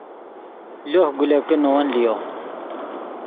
لوہ گولکے نے ون لئیم